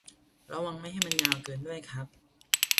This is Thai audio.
ระวังไม่ให้มันยาวเกินด้วยครับ